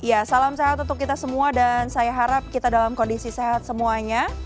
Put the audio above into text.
ya salam sehat untuk kita semua dan saya harap kita dalam kondisi sehat semuanya